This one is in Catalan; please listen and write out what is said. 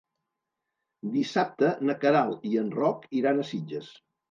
Dissabte na Queralt i en Roc iran a Sitges.